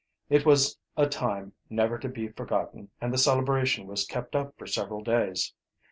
It was a time never to be forgotten, and the celebration was kept up for several days.